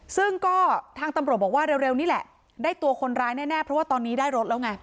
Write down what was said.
ซึ่งก็ทางตำรวจบอกว่าเร็วนี่แหละได้ตัวคนร้ายแน่เพราะว่าตอนนี้ได้รถแล้วไง